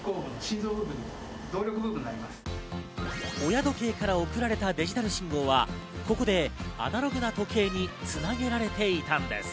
親時計から送られたデジタル信号は、ここでアナログな時計につなげられていたんです。